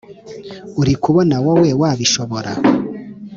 uri kubona wowe wabishobora